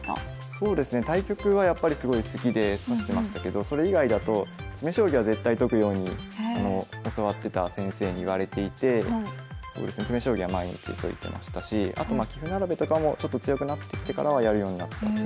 そうですね対局はやっぱりすごい好きで指してましたけどそれ以外だと詰将棋は絶対解くように教わってた先生に言われていて詰将棋は毎日解いてましたしあとまあ棋譜並べとかもちょっと強くなってきてからはやるようになったって感じですかね。